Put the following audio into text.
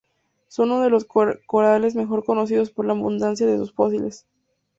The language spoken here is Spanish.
Son uno de los corales mejor conocidos por la abundancia de sus fósiles.